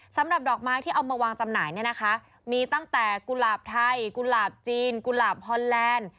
สำหรับดอกไม้ที่เอามาวางจำหน่ายเนี่ยนะคะมีตั้งแต่กุหลาบไทยกุหลาบจีนกุหลาบฮอนแลนด์